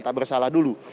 tak bersalah dulu